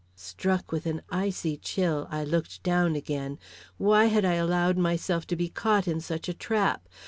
Struck with an icy chill, I looked down again. Why had I allowed myself to be caught in such a trap?